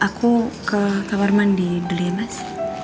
aku ke kabar mandi beli emas